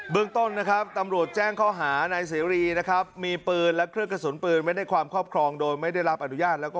ต้องเดี๋ยวนอนเลยยิงไปแล้วยังเอาปืนมาตีเลยแล้ว